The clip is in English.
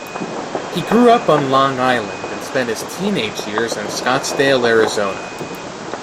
He grew up on Long Island and spent his teenage years in Scottsdale, Arizona.